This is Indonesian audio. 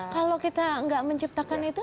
kalau kita nggak menciptakan itu